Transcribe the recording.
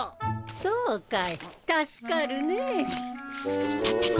そうかい助かるねぇ。